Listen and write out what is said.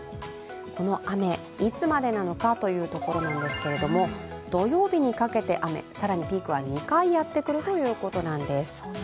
この雨、いつまでなのかというところですけれども、土曜日にかけて雨更にピークは２回やってくるということなんです。